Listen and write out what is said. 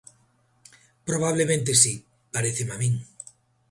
Probablemente si, paréceme a min.